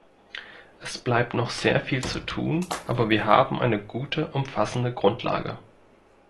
Es bleibt noch sehr viel zu tun, aber wir haben eine gute, umfassende Grundlage.